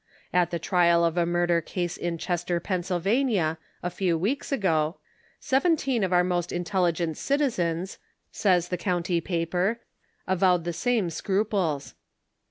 At the trial of a murder case in Chester, Pa., a few weeks ago, <* se venteen of our most intelligent citizens," says the county paper, avowed the same scruples.